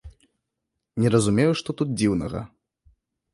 Не разумею, што тут дзіўнага.